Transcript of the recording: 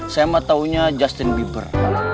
saya emang taunya justin bieber